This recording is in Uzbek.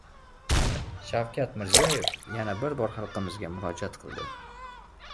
Shavkat Mirziyoyev yana bir bor xalqimizga murojaat qildi